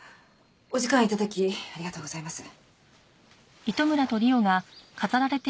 お時間頂きありがとうございます。